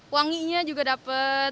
wanginya juga dapet